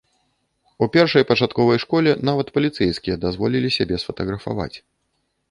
У першай пачатковай школе нават паліцэйскія дазволілі сябе сфатаграфаваць.